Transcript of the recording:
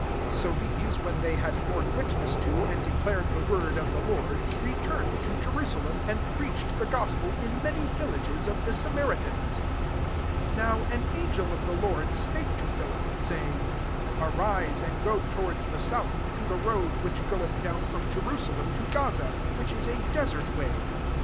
25 So these, when they had borne witness to and declared the word of the Lord, returned to Jerusalem, and preached the gospel in many villages of the Samaritans. 26 NOW an angel of the Lord spake to Philip, saying, " Arise, and go towards the south, to the road which goeth down from Jerusalem to Gaza ; which is a desert way."